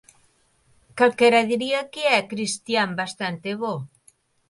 Calquera diría que é cristián bastante bo.